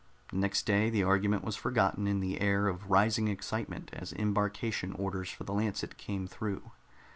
Next day the argument was forgotten in the air of rising excitement as embarkation orders for the Lancet came through.